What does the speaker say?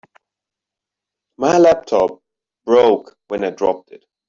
My laptop broke when I dropped it.